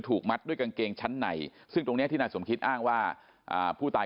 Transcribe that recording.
มัดด้วยกางเกงชั้นในซึ่งตรงนี้ที่นายสมคิดอ้างว่าผู้ตาย